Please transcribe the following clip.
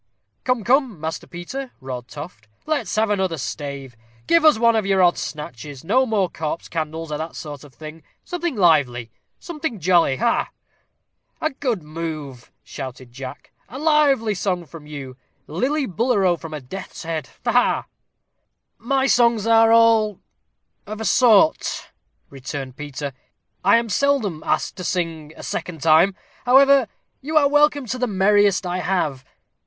"Come, come, Master Peter," roared Toft, "let's have another stave. Give us one of your odd snatches. No more corpse candles, or that sort of thing. Something lively something jolly ha, ha!" "A good move," shouted Jack. "A lively song from you lillibullero from a death's head ha, ha!" "My songs are all of a sort," returned Peter; "I am seldom asked to sing a second time. However, you are welcome to the merriest I have."